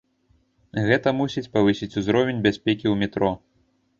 Гэта мусіць павысіць узровень бяспекі ў метро.